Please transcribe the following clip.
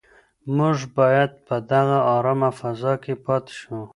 موږ باید په دغه ارامه فضا کې پاتې شو.